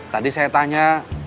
tadi saya tanya